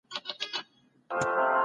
پښتو فولکلور ډېر غني دی.